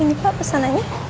ini pak pesanannya